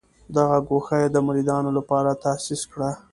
دغه ګوښه یې د مریدانو لپاره تاسیس کړه.